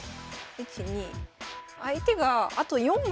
１２。